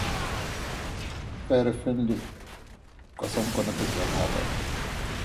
He also owned the Theddlethorpe estate in Lincolnshire.